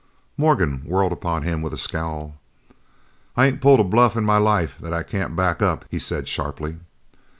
Morgan whirled upon him with a scowl, "I ain't pulled a bluff in my life that I can't back up!" he said sharply.